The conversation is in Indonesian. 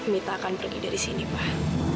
mita akan pergi dari sini pak